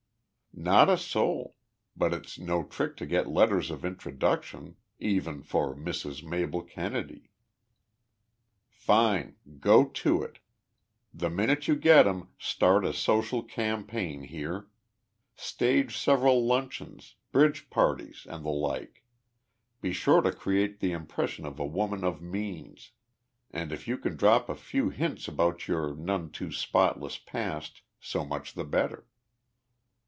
"Not a soul, but it's no trick to get letters of introduction even for Mrs. Mabel Kennedy." "Fine! Go to it! The minute you get 'em start a social campaign here. Stage several luncheons, bridge parties, and the like. Be sure to create the impression of a woman of means and if you can drop a few hints about your none too spotless past, so much the better."